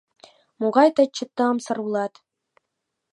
Могай тый чытамсыр улат!